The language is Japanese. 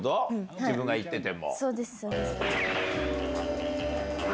自分が行ってても。